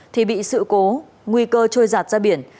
thì bị sự cố nguy cơ trôi giạt ra biển